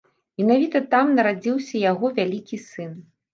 Менавіта там нарадзіўся яго вялікі сын.